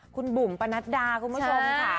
คุณบุ๋มปนัดดาคุณผู้ชมค่ะ